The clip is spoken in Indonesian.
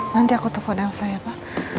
nanti aku tolong telfon elsa ya pak